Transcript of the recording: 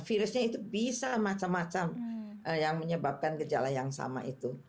virusnya itu bisa macam macam yang menyebabkan gejala yang sama itu